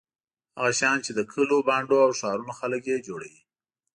هغه شیان چې د کلیو بانډو او ښارونو خلک یې جوړوي.